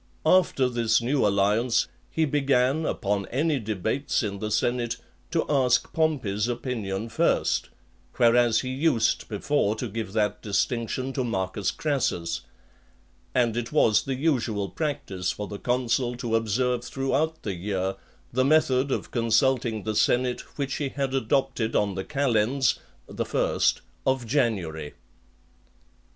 After this new alliance, he began, upon any debates in the senate, to ask Pompey's opinion first, whereas he used before to give that distinction to Marcus Crassus; and it was (15) the usual practice for the consul to observe throughout the year the method of consulting the senate which he had adopted on the calends (the first) of January.